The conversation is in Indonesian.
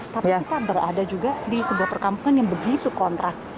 tapi kita berada juga di sebuah perkampungan yang begitu kontras